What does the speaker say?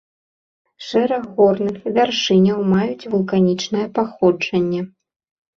Шэраг горных вяршыняў маюць вулканічнае паходжанне.